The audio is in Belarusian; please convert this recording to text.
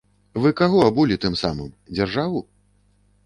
Вы каго абулі тым самым, дзяржаву?